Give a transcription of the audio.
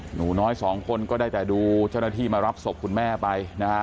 หนูน้อยสองคนก็ได้แต่ดูเจ้าหน้าที่มารับศพคุณแม่ไปนะฮะ